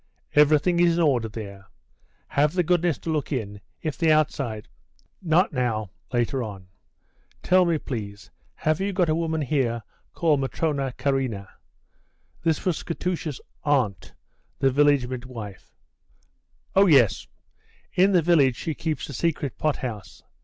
Everything is in order there. Have the goodness to look in. If the outside " "Not now; later on. Tell me, please, have you got a woman here called Matrona Kharina?" (This was Katusha's aunt, the village midwife.) "Oh, yes; in the village she keeps a secret pot house.